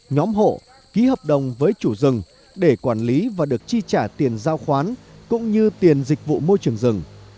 nhóm hộ ký hợp đồng với chủ rừng để quản lý và được chi trả tiền giao khoán cũng như tiền dịch vụ môi trường rừng